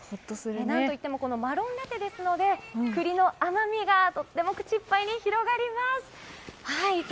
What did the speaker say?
何といってもマロンラテですので栗の甘みがとっても口いっぱいに広がります。